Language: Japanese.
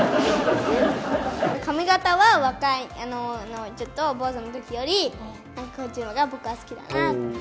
髪形は若いちょっと坊主のときより、こっちのが僕は好きだな。